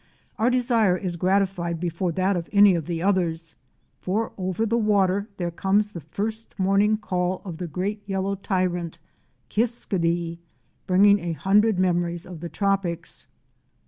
Our desire is gratified before that of any of the others, for over the water there comes the first morning call of the great yellow Tyrant '— Kis ka dee! bringing a hundred memories of the tropics.